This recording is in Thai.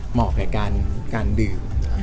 เหมาะกับการดื่ม